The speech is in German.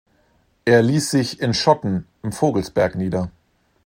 Er ließ sich in Schotten im Vogelsberg nieder.